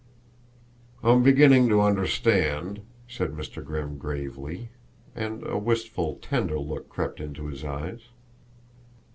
"I'm beginning to understand," said Mr. Grimm gravely, and a wistful, tender look crept into his eyes.